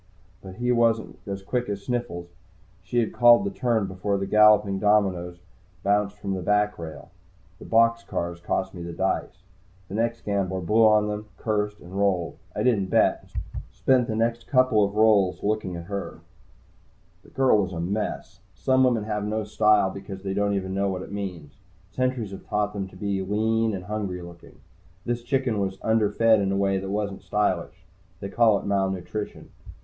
But he wasn't as quick as Sniffles. She had called the turn before the galloping dominoes had bounced from the backrail. The box cars cost me the dice. The next gambler blew on them, cursed, and rolled. I didn't bet, and spent the next couple rolls looking at her. The girl was a mess. Some women have no style because they don't even know what it means. Courturiers have taught them all to be lean and hungry looking. This chicken was underfed in a way that wasn't stylish. They call it malnutrition.